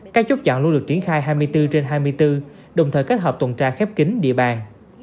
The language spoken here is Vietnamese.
các chốt chặn luôn được triển khai hai mươi bốn trên hai mươi bốn đồng thời kết hợp tuần tra khép kính địa bàn